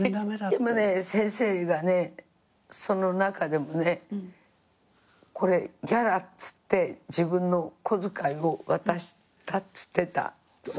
でもね先生がねその中でもね「これギャラっつって自分の小遣いを渡した」っつってた。